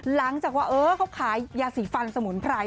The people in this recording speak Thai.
หลังจากว่าเออเขาขายยาสีฟันสมุนไพร